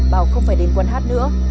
bảo không phải đến quán hát nữa